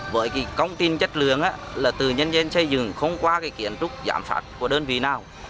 với cái công tin chất lượng là từ nhân dân xây dựng không qua kiến trúc giảm phát của đơn vị nào